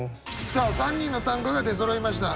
さあ３人の短歌が出そろいました。